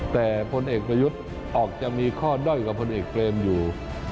แต่พลเอกประยุทธ์ออกจะมีข้อด้อยกว่าพลเอกเปรมอยู่